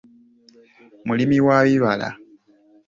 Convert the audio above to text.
Mulimi wa bibala.